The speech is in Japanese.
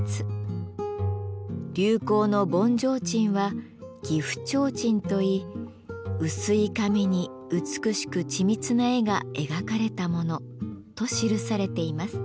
「流行の盆提灯は岐阜提灯といい薄い紙に美しく緻密な絵が描かれたもの」と記されています。